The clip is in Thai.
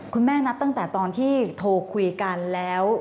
นับตั้งแต่ตอนที่โทรคุยกันแล้ว